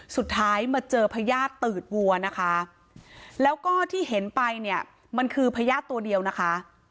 สุดท้ายมาเจอพญาติตืดวัวนะคะแล้วก็ที่เห็นไปเนี่ยมันคือพญาติตัวเดียวนะคะ